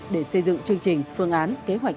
để xây dựng chương trình phương án kế hoạch